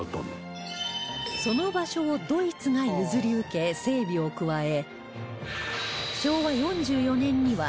その場所をドイツが譲り受け整備を加え